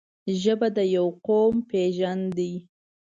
ژبه د یو قوم پېژند دی.